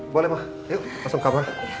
boleh ma yuk masuk kamar